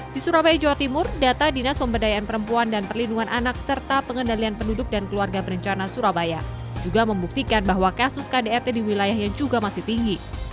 di surabaya jawa timur data dinas pemberdayaan perempuan dan perlindungan anak serta pengendalian penduduk dan keluarga berencana surabaya juga membuktikan bahwa kasus kdrt di wilayahnya juga masih tinggi